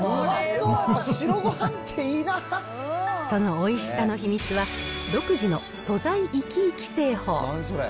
そのおいしさの秘密は、独自の素材いきいき製法。